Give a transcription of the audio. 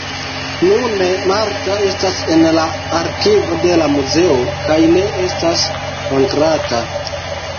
Nune, Martha estas en la arkivo de la muzeo kaj ne estas montrata.